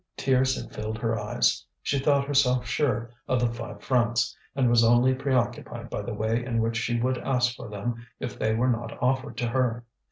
Tears had filled her eyes, she thought herself sure of the five francs, and was only preoccupied by the way in which she would ask for them if they were not offered to her.